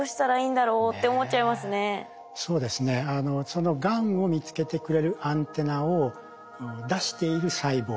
そのがんを見つけてくれるアンテナを出している細胞